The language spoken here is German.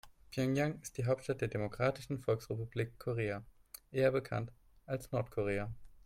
Pjöngjang ist die Hauptstadt der Demokratischen Volksrepublik Korea, eher bekannt als Nordkorea.